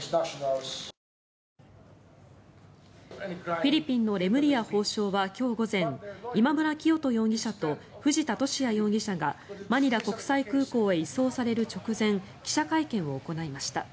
フィリピンのレムリヤ法相は今日午前今村磨人容疑者と藤田聖也容疑者がマニラ国際空港へ移送される直前記者会見を行いました。